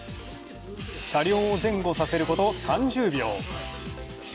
車両を前後させること３０秒。